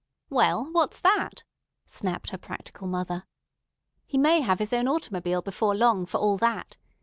"Well, what's that?" snapped her practical mother. "He may have his own automobile before long, for all that.